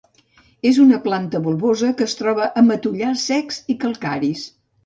És una planta bulbosa que es troba a matollars secs i calcaris.